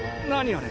あれ？